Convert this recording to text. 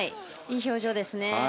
いい表情ですね。